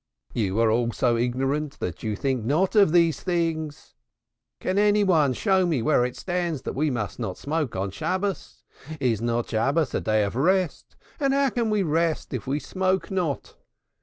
You are all so ignorant that you think not of these things. Can any one show me where it stands that we must not smoke on Shabbos? Is not Shabbos a day of rest, and how can we rest if we smoke not?